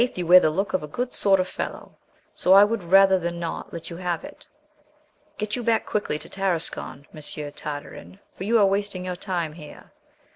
you wear the look of a good sort of fellow, so I would, rather than not, let you have it. Get you back quickly to Tarascon, Monsieur Tartarin, for you are wasting your time here.